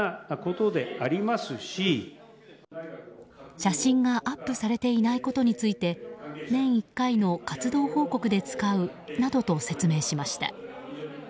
写真がアップされていないことについて年１回の活動報告で使うなどと説明しました。